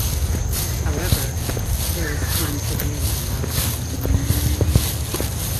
However, there is time to win another.